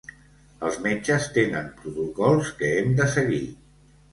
Els metges tenen protocols que hem de seguir.